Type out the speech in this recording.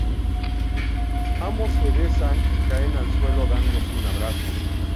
Ambos se besan y caen al suelo dándose un abrazo.